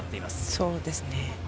そうですね。